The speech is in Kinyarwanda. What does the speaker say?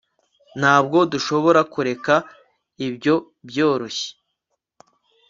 ntabwo dushobora kureka ibyo byoroshye